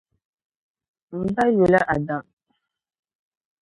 M ba yuli Adam.